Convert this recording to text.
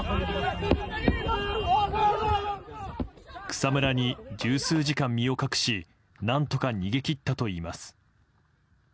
草むらに十数時間身を隠し何とか逃げ切ったといいます。